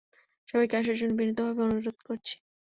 সবাইকে আসার জন্য বিনীতভাবে অনুরোধ করছি।